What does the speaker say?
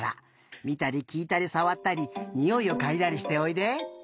みたりきいたりさわったりにおいをかいだりしておいで。